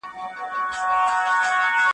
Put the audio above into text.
څه زلمۍ شپې وې شرنګ د پایلو .